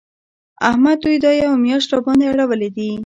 احمد دوی دا یوه مياشت راباندې اړولي دي.